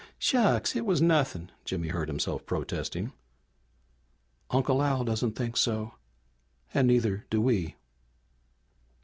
"Shucks, it was nothing!" Jimmy heard himself protesting. "Uncle Al doesn't think so. And neither do we!"